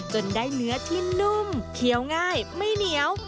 จนได้เนื้อที่นุ่มเคี้ยวง่ายไม่เหนียว